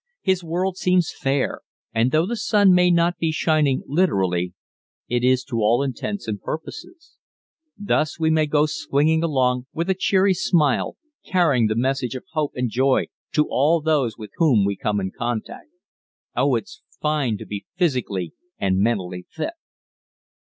His world seems fair, and though the sun may not be shining literally, it is to all intents and purposes. Thus, we go swinging along with a cheery smile, carrying the message of hope and joy to all those with whom we come in contact. Oh! it's fine to be physically and mentally fit!